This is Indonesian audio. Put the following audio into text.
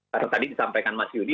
karena tadi disampaikan mas yudi